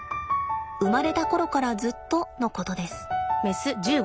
生まれた頃からずっとのことです。